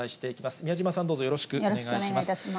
宮島さん、どうぞよろしくお願いします。